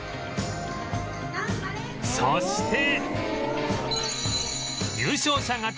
そして